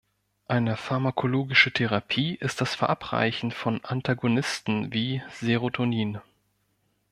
Eine pharmakologische Therapie ist das Verabreichen von Antagonisten wie Serotonin.